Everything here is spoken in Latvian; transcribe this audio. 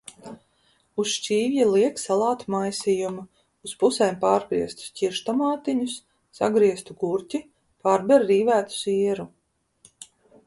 Uz šķīvja liek salātu maisījumu, uz pusēm pārgrieztus ķirštomātiņus, sagrieztu gurķi, pārber rīvētu sieru.